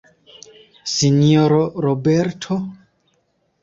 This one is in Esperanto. Sinjoro Roberto?